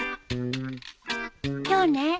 今日ね